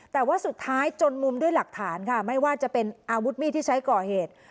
แต่ว่าสุดท้ายจนมุมด้วยหลักฐานค่ะไม่ว่าจะเป็นอาวุธมีดที่ใช้ก่อเหตุ